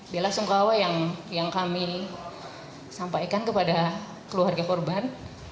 bela sungkawa yang kami sampaikan kepada keluarga korban